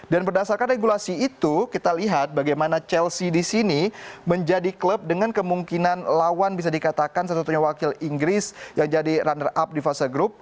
dan berdasarkan regulasi itu kita lihat bagaimana chelsea di sini menjadi klub dengan kemungkinan lawan bisa dikatakan satu satunya wakil inggris yang jadi runner up di fase grup